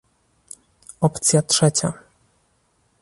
Opcja trzecia